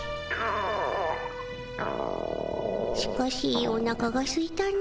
しかしおなかがすいたの。